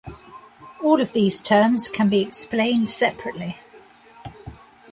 All of these terms can be explained separately.